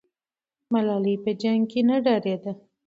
ملالۍ په جنګ کې نه ډارېده.